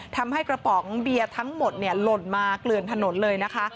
ทำให้กระป๋องเบียร์ทั้งหมดหล่นมาเกลือนถนนเลยนะคะ